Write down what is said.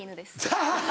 アハハハ。